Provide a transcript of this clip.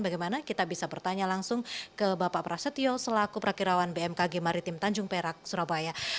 bagaimana kita bisa bertanya langsung ke bapak prasetyo selaku perakirawan bmkg maritim tanjung perak surabaya